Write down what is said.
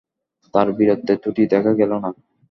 তাঁর বীরত্বে ত্রুটি দেখা গেল না।